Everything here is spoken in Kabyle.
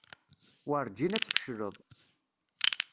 Werǧin ad tfecleḍ.